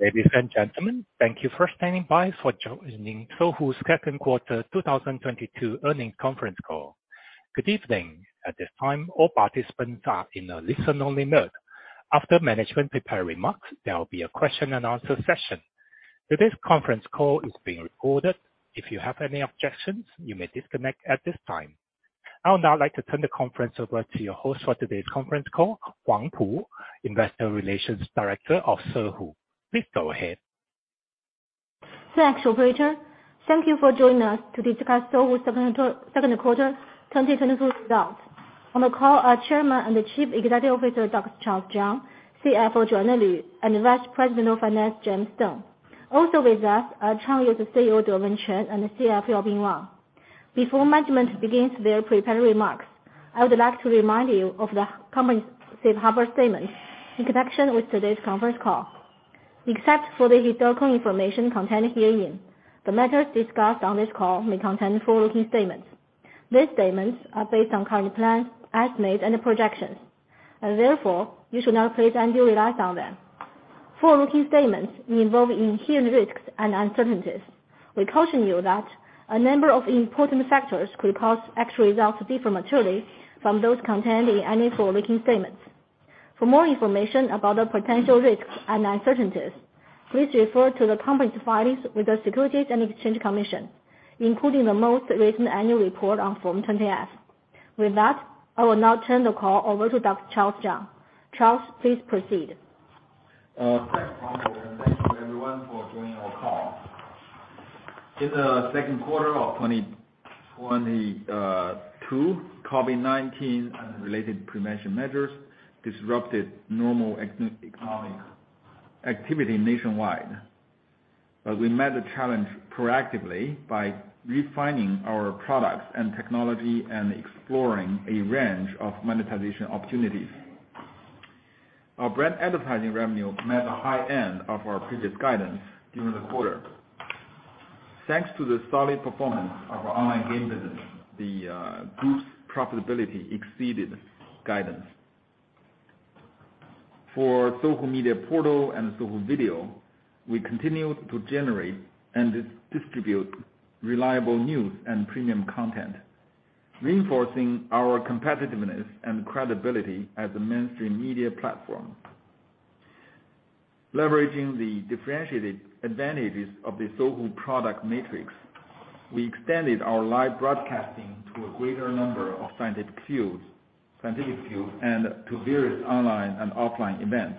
Ladies and gentlemen, thank you for standing by, for joining Sohu's second quarter 2022 earnings conference call. Good evening. At this time, all participants are in a listen-only mode. After management prepared remarks, there will be a question and answer session. Today's conference call is being recorded. If you have any objections, you may disconnect at this time. I would now like to turn the conference over to your host for today's conference call, Pu Huang, Investor Relations Director of Sohu. Please go ahead. Thanks operator. Thank you for joining us to discuss Sohu's second quarter 2022 results. On the call are Chairman and Chief Executive Officer, Dr. Charles Zhang, CFO Joanna Lv, and Vice President of Finance, James Deng. Also with us are Changyou CEO, Dewen Chen, and CFO Yaobin Wang. Before management begins their prepared remarks, I would like to remind you of the company's safe harbor statement in connection with today's conference call. Except for the historical information contained herein, the matters discussed on this call may contain forward-looking statements. These statements are based on current plans, estimates and projections, and therefore you should not place undue reliance on them. Forward-looking statements involve inherent risks and uncertainties. We caution you that a number of important factors could cause actual results to differ materially from those contained in any forward-looking statements. For more information about the potential risks and uncertainties, please refer to the company's filings with the Securities and Exchange Commission, including the most recent annual report on Form 20-F. With that, I will now turn the call over to Dr. Charles Zhang. Charles, please proceed. Thanks, Huang, and thank you everyone for joining our call. In the second quarter of 2022, COVID-19 and related prevention measures disrupted normal economic activity nationwide. We met the challenge proactively by refining our products and technology, and exploring a range of monetization opportunities. Our brand advertising revenue met the high end of our previous guidance during the quarter. Thanks to the solid performance of our online game business, the group's profitability exceeded guidance. For Sohu Media Portal and Sohu Video, we continued to generate and distribute reliable news and premium content, reinforcing our competitiveness and credibility as a mainstream media platform. Leveraging the differentiated advantages of the Sohu product matrix, we extended our live broadcasting to a greater number of scientific fields and to various online and offline events.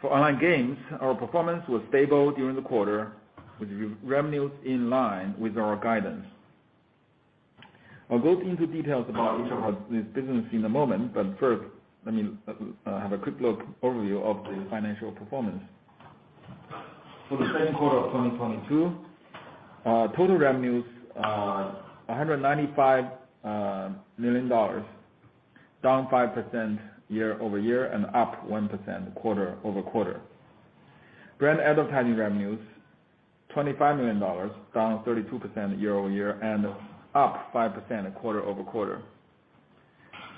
For online games, our performance was stable during the quarter, with revenues in line with our guidance. I'll go into details about each of these businesses in a moment, but first, let me have a quick overview of the financial performance. For the second quarter of 2022, total revenues $195 million, down 5% year-over-year and up 1% quarter-over-quarter. Brand advertising revenues $25 million, down 32% year-over-year and up 5% quarter-over-quarter.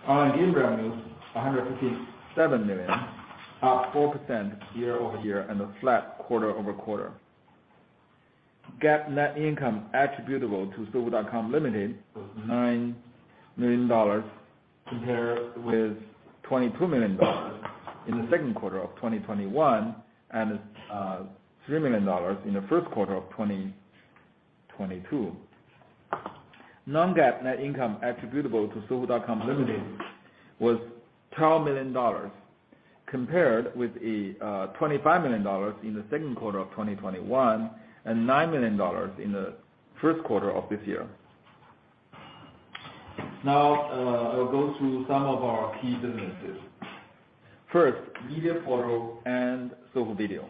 Online game revenues $157 million, up 4% year-over-year and flat quarter-over-quarter. GAAP net income attributable to Sohu.com Limited was $9 million, compared with $22 million in the second quarter of 2021 and $3 million in the first quarter of 2022. Non-GAAP net income attributable to Sohu.com Limited was $12 million, compared with $25 million in the second quarter of 2021 and $9 million in the first quarter of this year. Now, I will go through some of our key businesses. First, Sohu Media Portal and Sohu Video.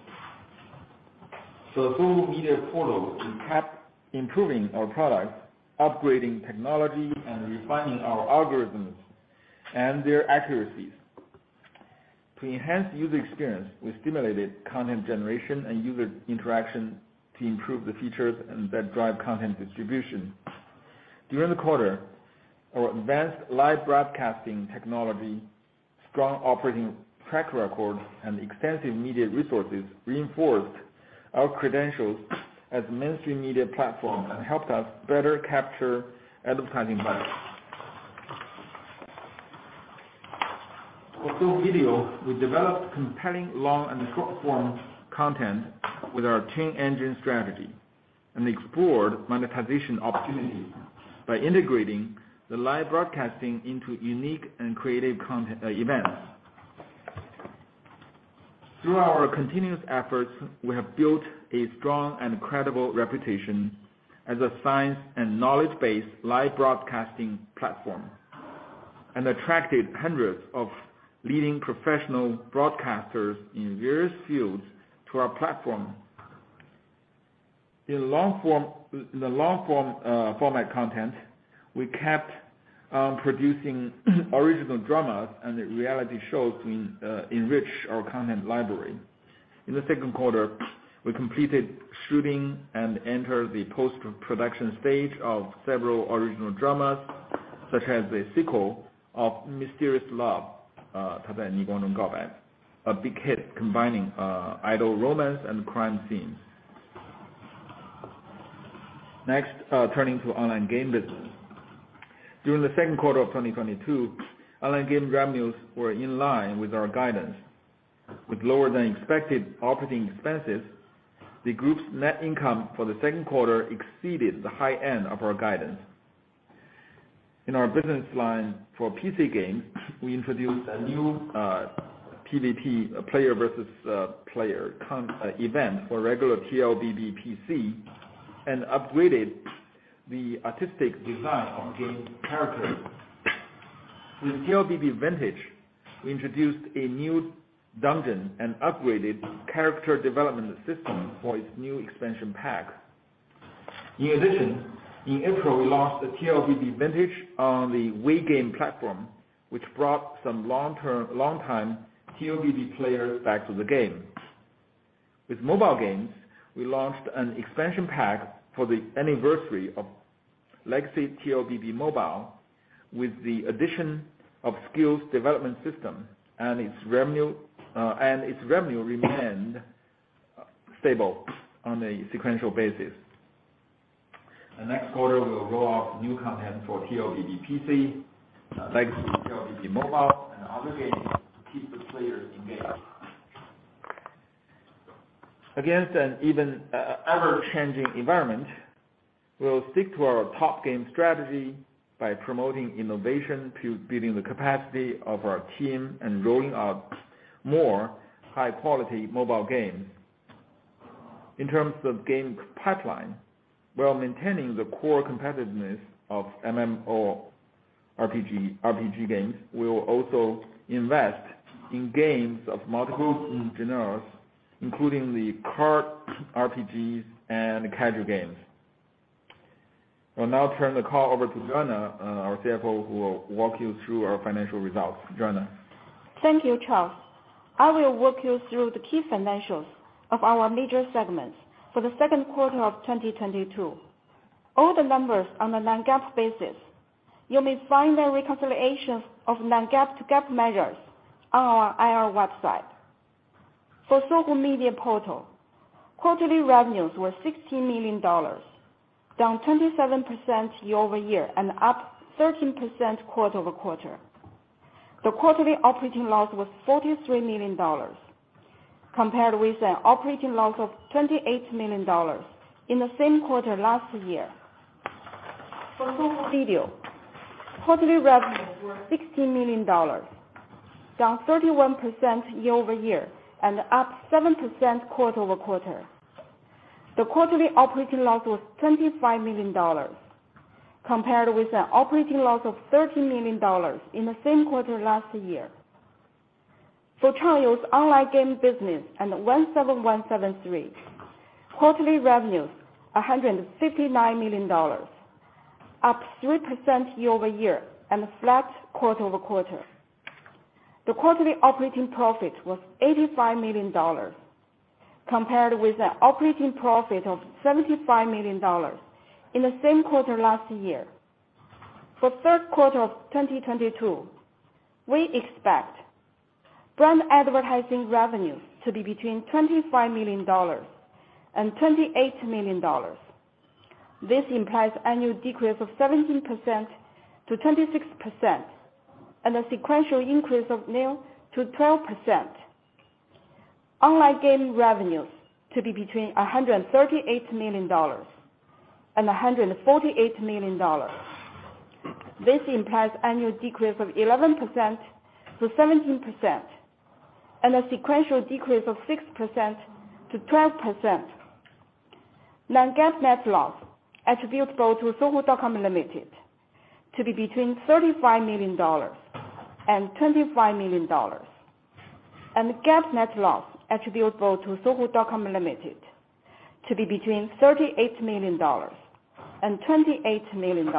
Sohu Media Portal kept improving our products, upgrading technology, and refining our algorithms and their accuracies. To enhance user experience, we stimulated content generation and user interaction to improve the features and then drive content distribution. During the quarter, our advanced live broadcasting technology, strong operating track record, and extensive media resources reinforced our credentials as a mainstream media platform and helped us better capture advertising value. For Sohu Video, we developed compelling long and short form content with our chain engine strategy, and explored monetization opportunities by integrating the live broadcasting into unique and creative events. Through our continuous efforts, we have built a strong and credible reputation as a science and knowledge-based live broadcasting platform, and attracted hundreds of leading professional broadcasters in various fields to our platform. In long form format content, we kept producing original dramas and reality shows to enrich our content library. In the second quarter, we completed shooting and entered the post-production stage of several original dramas, such as the sequel of Mysterious Love, a big hit combining idol romance and crime scenes. Next, turning to online game business. During the second quarter of 2022, online game revenues were in line with our guidance. With lower than expected operating expenses, the group's net income for the second quarter exceeded the high end of our guidance. In our business line for PC games, we introduced a new PVP, player versus player event for regular TLBB PC, and upgraded the artistic design of game characters. With TLBB Vintage, we introduced a new dungeon and upgraded character development system for its new expansion pack. In addition, in April, we launched the TLBB Vintage on the WeGame platform, which brought some long-time TLBB players back to the game. With mobile games, we launched an expansion pack for the anniversary of Legacy TLBB Mobile with the addition of skills development system and its revenue remained stable on a sequential basis. The next quarter, we'll roll out new content for TLBB PC, Legacy TLBB Mobile, and other games to keep the players engaged. Against an ever-changing environment, we'll stick to our top game strategy by promoting innovation to building the capacity of our team and rolling out more high-quality mobile games. In terms of game pipeline, while maintaining the core competitiveness of MMORPG, RPG games, we'll also invest in games of multiple genres, including the card RPGs and casual games. I'll now turn the call over to Joanna, our CFO, who will walk you through our financial results. Joanna. Thank you, Charles. I will walk you through the key financials of our major segments for the second quarter of 2022. All the numbers are on a non-GAAP basis. You may find the reconciliations of non-GAAP to GAAP measures on our IR website. For Sohu Media Portal, quarterly revenues were $60 million, down 27% year-over-year and up 13% quarter-over-quarter. The quarterly operating loss was $43 million compared with an operating loss of $28 million in the same quarter last year. For Sohu Video, quarterly revenues were $60 million, down 31% year-over-year, and up 7% quarter-over-quarter. The quarterly operating loss was $25 million compared with an operating loss of $13 million in the same quarter last year. For Changyou's online game business and the 17173.com, quarterly revenues $159 million, up 3% year-over-year and flat quarter-over-quarter. The quarterly operating profit was $85 million compared with an operating profit of $75 million in the same quarter last year. For third quarter of 2022, we expect brand advertising revenues to be between $25 million and $28 million. This implies annual decrease of 17% to 26% and a sequential increase of 0% to 12%. Online game revenues to be between $138 million and $148 million. This implies annual decrease of 11% to 17% and a sequential decrease of 6% to 12%. Non-GAAP net loss attributable to Sohu.com Limited to be between $35 million and $25 million. GAAP net loss attributable to Sohu.com Limited to be between $38 million and $28 million.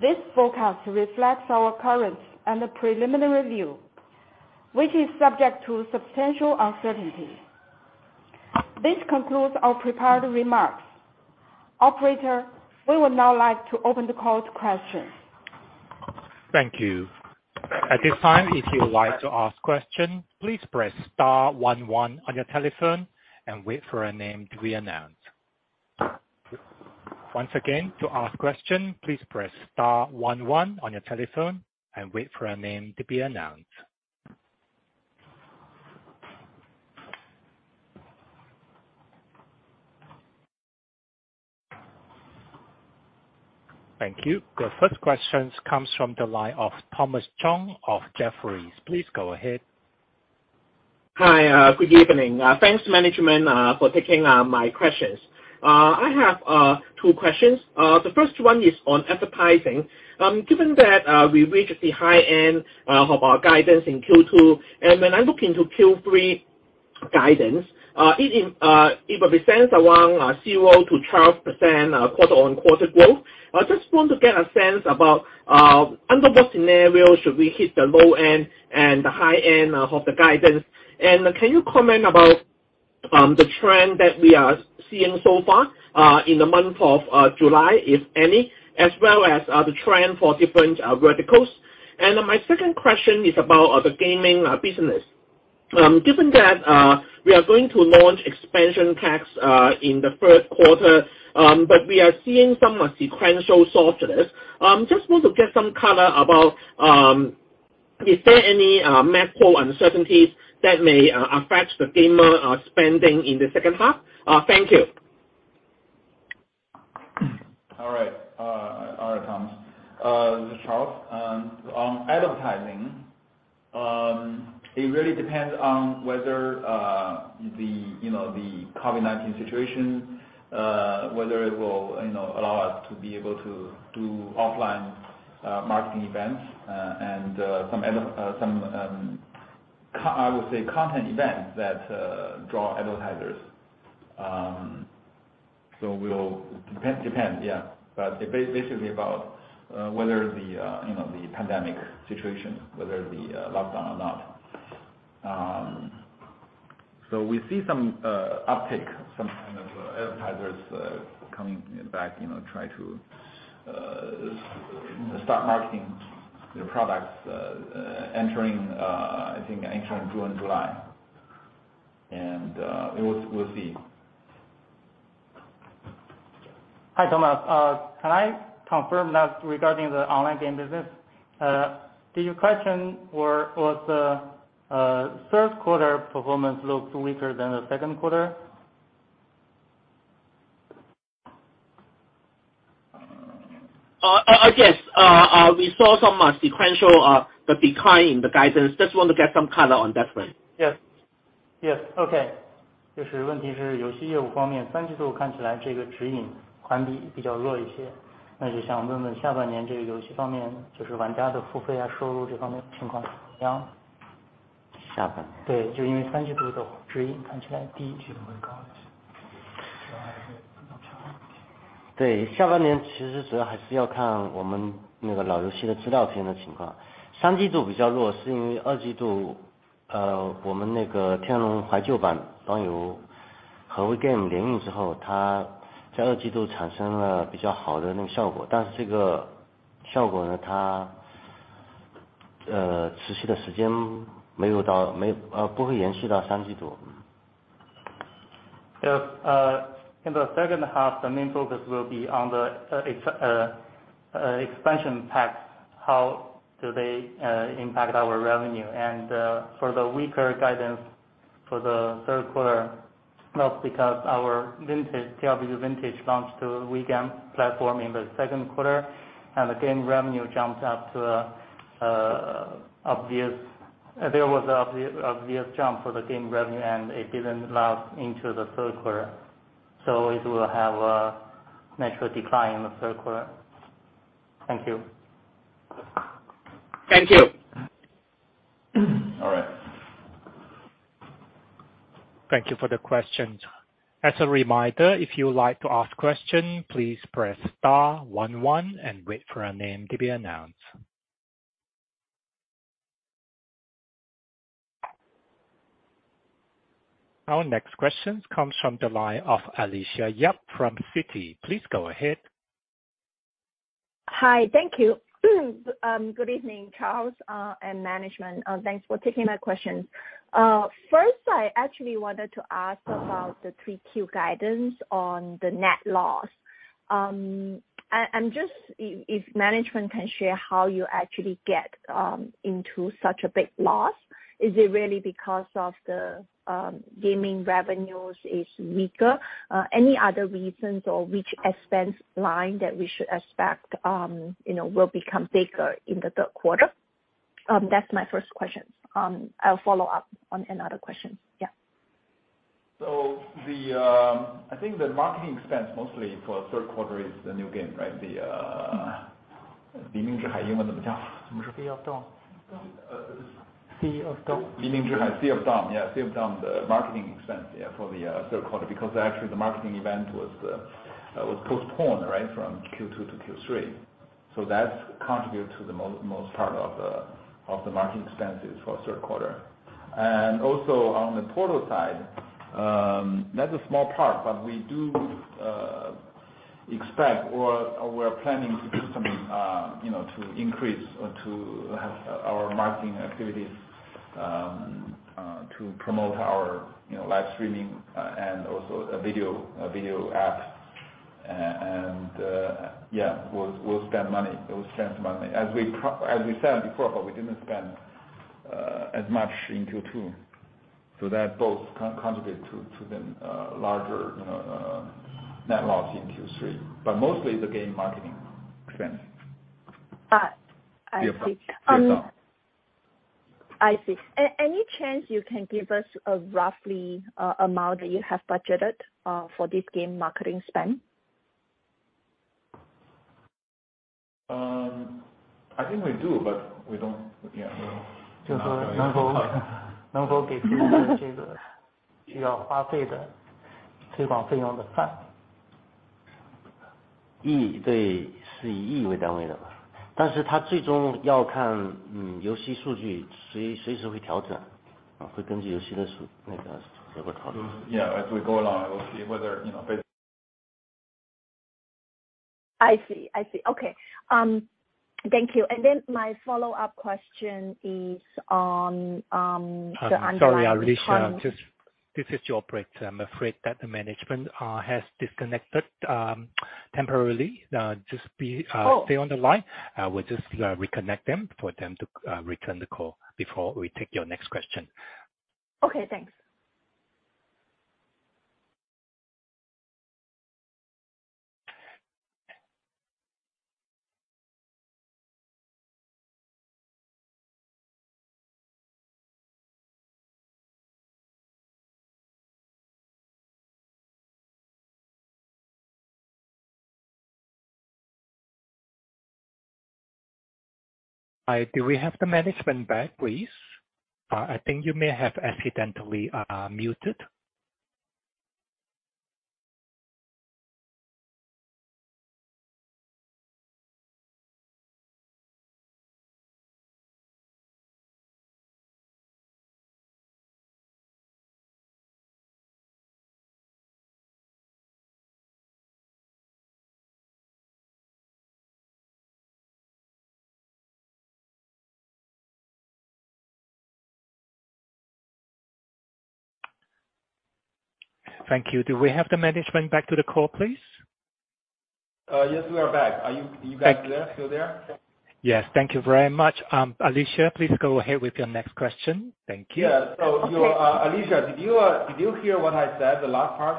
This forecast reflects our current and preliminary view, which is subject to substantial uncertainty. This concludes our prepared remarks. Operator, we would now like to open the call to questions. Thank you. At this time, if you would like to ask question, please press star one one on your telephone and wait for your name to be announced. Once again, to ask question, please press star one one on your telephone and wait for your name to be announced. Thank you. The first question comes from the line of Thomas Chong of Jefferies. Please go ahead. Hi, good evening. Thanks management for taking my questions. I have two questions. The first one is on advertising. Given that we reached the high end of our guidance in Q2, and when I look into Q3 guidance, it represents around 0%-12% quarter-on-quarter growth. I just want to get a sense about under what scenario we should hit the low end and the high end of the guidance. Can you comment about the trend that we are seeing so far in the month of July, if any, as well as the trend for different verticals. My second question is about the gaming business. Given that, we are going to launch expansion packs in the third quarter, but we are seeing some sequential softness. Just want to get some color about, is there any macro uncertainties that may affect the gamer spending in the second half? Thank you. All right. All right, Tom. This is Charles. On advertising, it really depends on whether the you know the COVID-19 situation whether it will you know allow us to be able to do offline marketing events and some content events that draw advertisers. Depends, yeah. Basically about whether the you know the pandemic situation whether it be locked down or not. We see some uptake, some kind of advertisers coming back, you know try to start marketing their products entering I think June, July. We'll see. Hi, Thomas. Can I confirm that regarding the online game business, your question was whether the third quarter performance looked weaker than the second quarter? Yes. We saw some sequential decline in the guidance. Just want to get some color on that one. In the second half, the main focus will be on the expansion packs, how do they impact our revenue. For the weaker guidance for the third quarter, not because our TLBB Vintage launched on WeGame platform in the second quarter, and the game revenue jumped up obviously, and it didn't last into the third quarter. It will have a natural decline in the third quarter. Thank you. Thank you. All right. Thank you for the questions. As a reminder, if you would like to ask question, please press star one one and wait for your name to be announced. Our next question comes from the line of Alicia Yap from Citi. Please go ahead. Hi. Thank you. Good evening, Charles, and management. Thanks for taking my question. First, I actually wanted to ask about the third quarter guidance on the net loss. And just if management can share how you actually get into such a big loss. Is it really because of the gaming revenues is weaker? Any other reasons or which expense line that we should expect, you know, will become bigger in the third quarter? That's my first question. I'll follow up on another question. Yeah. I think the marketing expense mostly for third quarter is the new game, right? Sea of Dawn. Uh- Sea of Dawn. Sea of Dawn. Sea of Dawn. The marketing expense for the third quarter because actually the marketing event was postponed, right, from Q2 to Q3. That contribute to the most part of the marketing expenses for third quarter. On the portal side, that's a small part, but we do expect, or we're planning to do something, you know, to increase or to have our marketing activities to promote our, you know, live streaming and also a video app. And yeah, we'll spend money. As we said before, but we didn't spend as much in Q2. That both contribute to the larger, you know, net loss in Q3. Mostly the game marketing expense. I see. Sea of Dawn. I see. Any chance you can give us a rough amount that you have budgeted for this game marketing spend? I think we do, but we don't, yeah, we'll. Yeah, as we go along, we'll see whether, you know. I see. Okay. Thank you. My follow-up question is on the underlying. Sorry, Alicia. This is your operator. I'm afraid that the management has disconnected temporarily. Oh. Stay on the line. We'll just reconnect them for them to return the call before we take your next question. Okay, thanks. Hi. Do we have the management back, please? I think you may have accidentally muted. Thank you. Do we have the management back to the call, please? Yes, we are back. Are you guys there? Still there? Yes. Thank you very much. Alicia, please go ahead with your next question. Thank you. Yeah. You- Okay. Alicia, did you hear what I said the last part?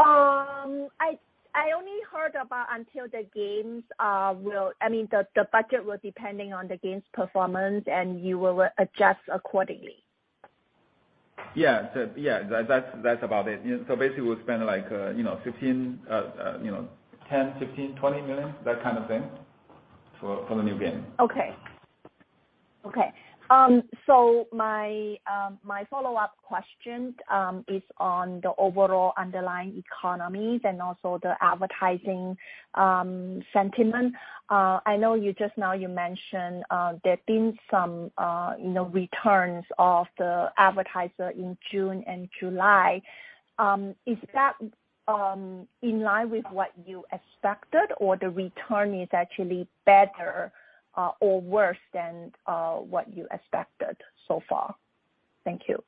I only heard about until the games. I mean, the budget will depend on the game's performance, and you will adjust accordingly. Yeah. Yeah, that's about it. You know, basically we spend like, you know, $10 million, $15 million, $20 million, that kind of thing for the new game. My follow-up question is on the overall underlying economies and also the advertising sentiment. I know you just now mentioned there's been some you know returns of the advertiser in June and July. Is that in line with what you expected or the return is actually better or worse than what you expected so far? Thank you.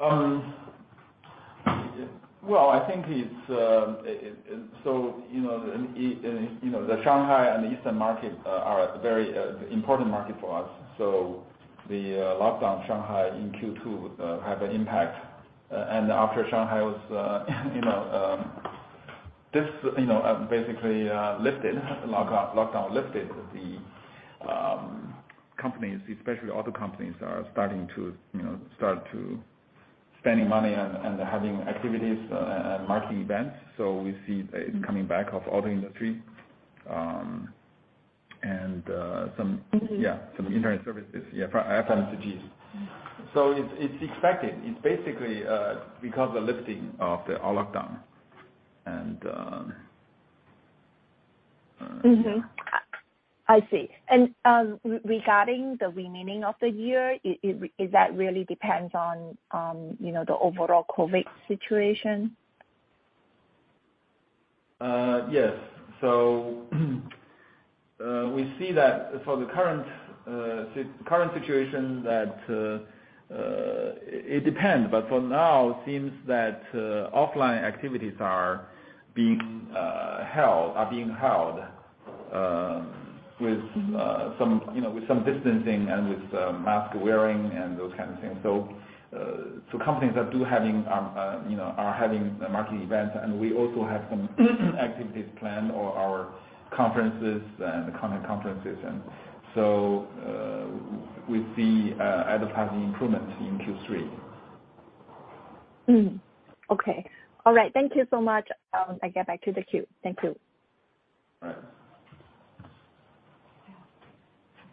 Well, I think it's so, you know, in Shanghai and the eastern market are very important market for us. The lockdown in Shanghai in Q2 have an impact. And after the lockdown in Shanghai was, you know, basically lifted, the companies, especially auto companies, are starting to, you know, spend money and have activities and marketing events. We see the coming back of the auto industry. Mm-hmm. Yeah, some internet services. Yeah. From FMCGs. It's expected. It's basically because the lifting of the lockdown and. Mm-hmm. I see. Regarding the remaining of the year, is that really depends on, you know, the overall COVID situation? Yes. We see that for the current situation, it depends. For now, it seems that offline activities are being held with some, you know, with some distancing and with mask wearing and those kind of things. Companies are having marketing events, and we also have some activities planned for our conferences and content conferences. We see advertising improvements in Q3. Okay. All right. Thank you so much. I get back to the queue. Thank you. All right.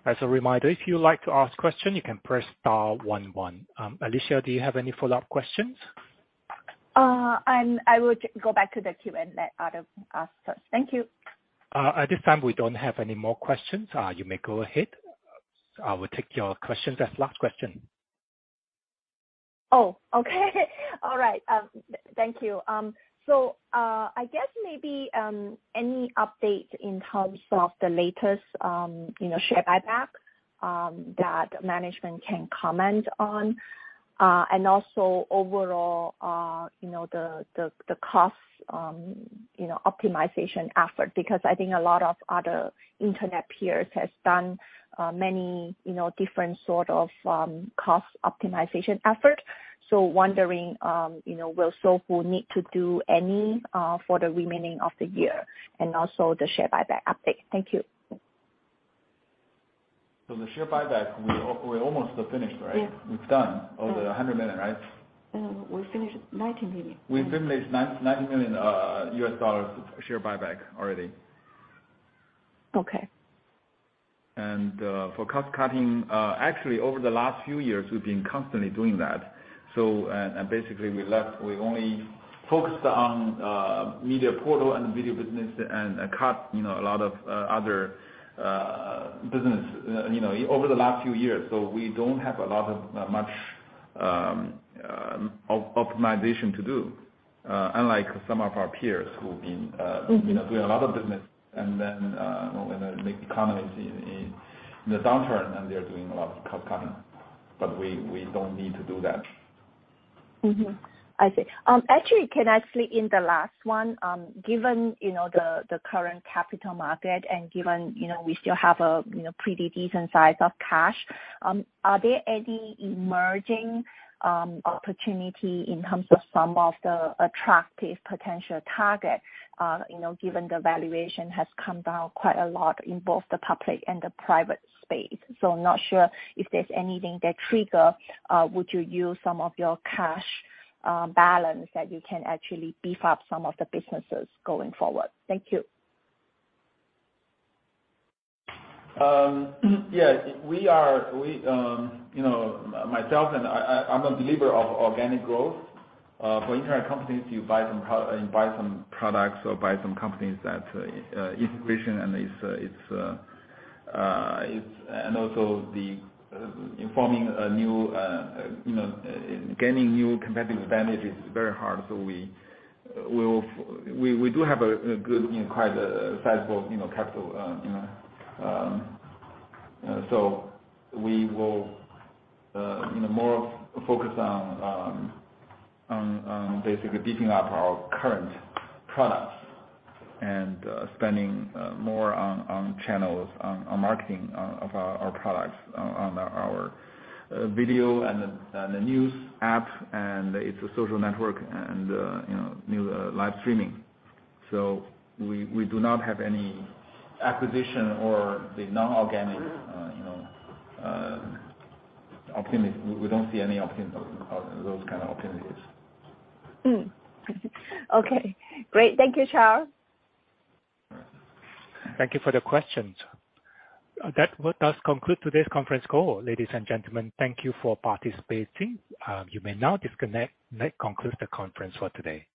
As a reminder, if you'd like to ask question, you can press star one one. Alicia, do you have any follow-up questions? I will go back to the queue and let others ask first. Thank you. At this time, we don't have any more questions. You may go ahead. I will take your question as last question. Oh, okay. All right. Thank you. I guess maybe any update in terms of the latest, you know, share buyback that management can comment on, and also overall, you know, the cost optimization effort, because I think a lot of other internet peers has done many, you know, different sort of cost optimization effort. Wondering, you know, will Sohu need to do any for the remaining of the year and also the share buyback update. Thank you. The share buyback, we're almost finished, right? Yeah. It's done. All the $100 million, right? We finished $90 million. We finished $90 million share buyback already. Okay. For cost cutting, actually over the last few years, we've been constantly doing that. Basically we only focused on media portal and video business and cut, you know, a lot of other business, you know, over the last few years. We don't have much optimization to do, unlike some of our peers who've been. Mm-hmm You know, doing a lot of business and then, when the economy is in the downturn then they're doing a lot of cost cutting. We don't need to do that. Actually, can I slip in the last one? Given you know, the current capital market and given, you know, we still have a you know, pretty decent size of cash, are there any emerging opportunity in terms of some of the attractive potential target, you know, given the valuation has come down quite a lot in both the public and the private space? I'm not sure if there's anything that trigger would you use some of your cash balance that you can actually beef up some of the businesses going forward? Thank you. Yeah. We are, you know, myself and I'm a believer of organic growth for internet companies to buy some products or buy some companies that integration and it's, and also forming a new, you know, gaining new competitive advantage is very hard. We do have a good, you know, quite a sizable, you know, capital, you know, so we will, you know, more focus on basically beefing up our current products and spending more on channels, on marketing, on our products, on our video and the news app, and its social network and, you know, new live streaming. We do not have any acquisition or the non-organic. Mm-hmm. You know, we don't see any those kind of opportunities. Okay. Great. Thank you, Charles. Thank you for the questions. That does conclude today's conference call. Ladies and gentlemen, thank you for participating. You may now disconnect. That concludes the conference for today.